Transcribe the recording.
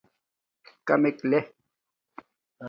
کمک لݵ